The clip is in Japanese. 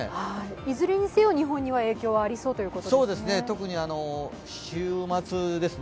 いずれにせよ日本には影響がありそうということですね。